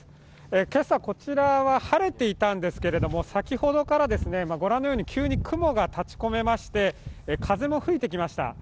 今朝こちらは晴れていたんですけれども、先ほどから御覧のように急に雲が立ちこめまして風も吹いてきました。